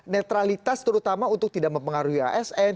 netralitas terutama untuk tidak mempengaruhi asn